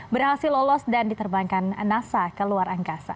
berhasil lolos dan diterbangkan nasa ke luar angkasa